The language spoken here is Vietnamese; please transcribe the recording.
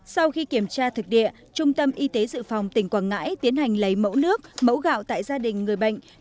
sau khi kiểm tra thực địa trung tâm y tế dự phòng tỉnh quảng ngãi tiến hành lấy mẫu nước mẫu gạo tại gia đình người bệnh